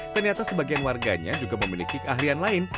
ternyata sebagian warganya juga memiliki keahlian lain